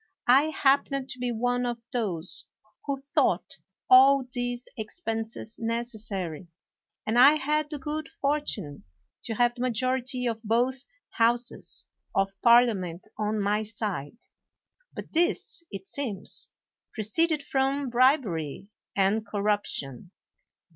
I happened to be one of those who thought all these expenses necessary, and I had the good fortune to have the majority of both houses of Parliament on my side. But this, it seems, proceeded from bribery and corruption.